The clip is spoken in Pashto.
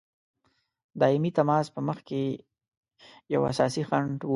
دایمي تماس په مخکي یو اساسي خنډ وو.